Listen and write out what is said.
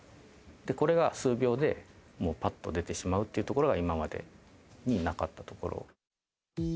これが数秒で、もうぱっと出てしまうっていうところが、今までになかったところ。